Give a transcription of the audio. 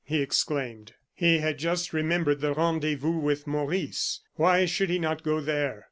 he exclaimed. He had just remembered the rendezvous with Maurice. Why should he not go there?